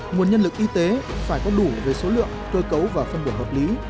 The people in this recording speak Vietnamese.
nguồn nhân lực y tế phải có đủ về số lượng cơ cấu và phân bổ hợp lý